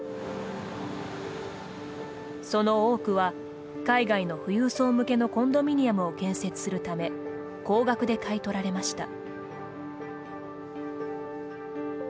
その多くは海外の富裕層向けのコンドミニアムを建設するため高額で買い取られました。